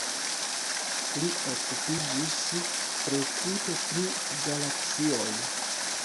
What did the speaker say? Li okupiĝis precipe pri galaksioj.